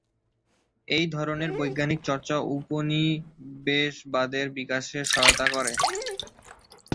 এই ধরনের বৈজ্ঞানিক চর্চা উপনিবেশবাদের বিকাশে সহায়তা করে।